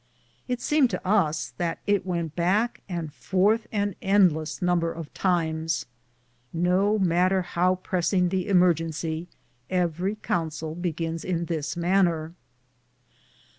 It seemed to us that it went back and forth an endless number of times. No matter how pressing the emer gency, every council begins in this manner.